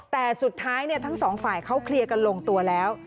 แต่สุดท้ายทั้งสองฝ่ายเขาเคลียร์กันลงตัวแล้ว